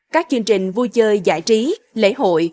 các chương trình vui chơi giải trí lễ hội